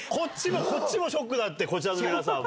こっちもショックだってこちらの皆さんも。